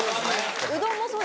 うどんもそう。